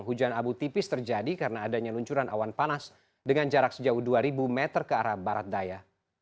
hujan abu tipis terjadi karena adanya luncuran awan panas dengan jarak sejauh dua ribu meter ke arah barat daya